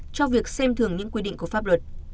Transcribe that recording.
cho việc xem thường những quy định của pháp luật